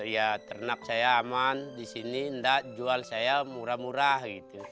ya ternak saya aman di sini enggak jual saya murah murah gitu